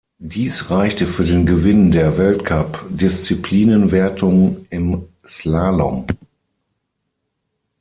Dies reichte für den Gewinn der Weltcup-Disziplinenwertung im Slalom.